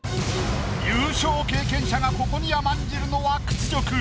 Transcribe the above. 優勝経験者がここに甘んじるのは屈辱。